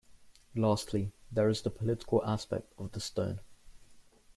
Lastly, there is the political aspect of the stone.